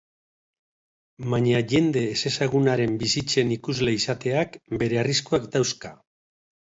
Baina jende ezezagunaren bizitzen ikusle izateak bere arriskuak dauzka...